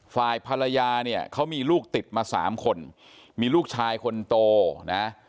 ฝ่ายภรรยาเนี่ยเขามีลูกติดมาสามคนมีลูกชายคนโตนะ